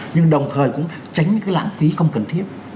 nhưng đồng thời cũng tránh cái lãng phí không cần thiết